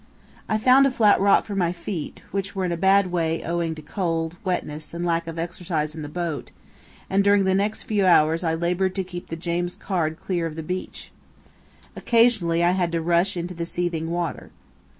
I found a flat rock for my feet, which were in a bad way owing to cold, wetness, and lack of exercise in the boat, and during the next few hours I laboured to keep the James Caird clear of the beach. Occasionally I had to rush into the seething water.